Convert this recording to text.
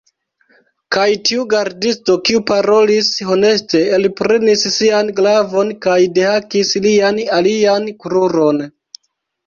Kaj tiu gardisto, kiu parolis honeste, elprenis sian glavon kaj dehakis lian alian kruron.